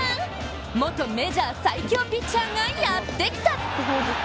元メジャー最強ピッチャーがやってきた！